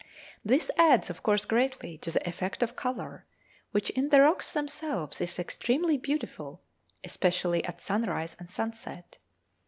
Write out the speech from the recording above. This adds of course greatly to the effect of colour, which in the rocks themselves is extremely beautiful, especially at sunrise and sunset.